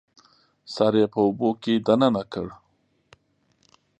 سر یې په اوبو کې دننه کړ